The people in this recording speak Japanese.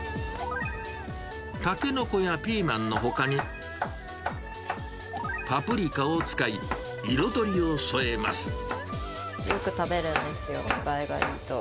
タケノコやピーマンのほかに、パプリカを使い、よく食べるんですよ、見栄えがいいと。